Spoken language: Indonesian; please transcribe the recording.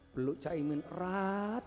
peluk cahimin erat